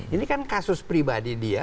ini kan kasus pribadi dia